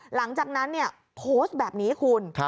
หลังจากนั้นโพสต์แบบนี้คุณ